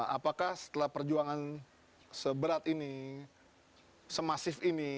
apakah setelah perjuangan seberat ini semasif ini